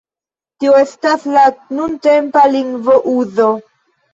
Tio estas la nuntempa lingvo-uzo.